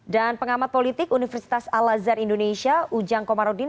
dan pengamat politik universitas al azhar indonesia ujang komarudin